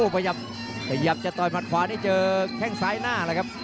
พยายามจะต่อยหมัดขวาต้องใจเจอแข้งสายหน้าแหละครับ